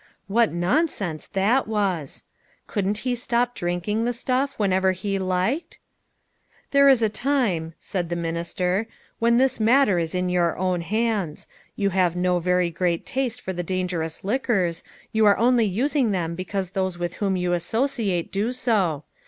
What nonsense that was! Couldn't he stop drinking the stuff whenever he liked ?" There is a time," said the minister, " when this matter is in your own hands. You have no very great taste for the dangerous liquors, you are only using them because those with whom you associate do so.